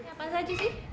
apa saja sih